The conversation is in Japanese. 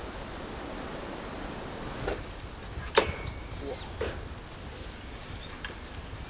うわっ。